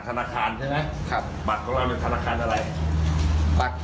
มันมีปลายอะไรก็ใช่แต่ว่ามันกดไม่ได้